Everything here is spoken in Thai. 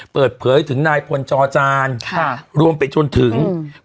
เปิดเผยถึงนายพลจอจานค่ะรวมไปจนถึงอืม